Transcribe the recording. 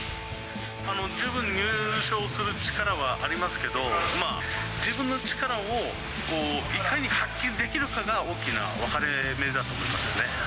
十分、入賞する力はありますけど、自分の力をいかに発揮できるかが、大きな分かれ目だと思いますね。